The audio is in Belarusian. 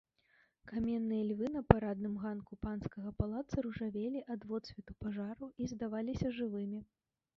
Каменныя львы на парадным ганку панскага палаца ружавелі ад водсвету пажару і здаваліся жывымі.